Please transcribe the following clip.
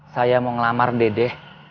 saya mau ngelamar dede